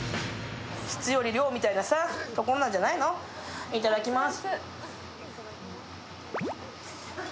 質より量みたいなところなんじゃないのいただきます。